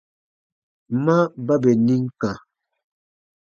Ma ba bè nim kã.